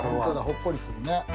ほっこりするね。